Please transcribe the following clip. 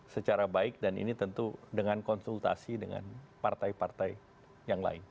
secara baik dan ini tentu dengan konsultasi dengan partai partai yang lain